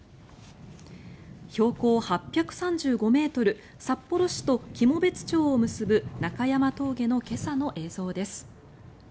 標高８３５ｍ札幌市と喜茂別町を結ぶ中山峠の今朝の映像です。